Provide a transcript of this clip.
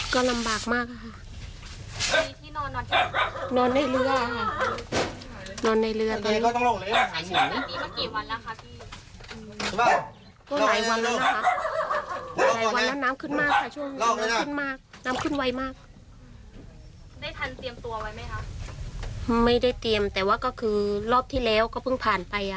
ก็ลำบากมากนะคะ